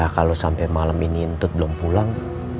kalau sampai malam ini intut belum pulang